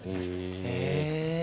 へえ。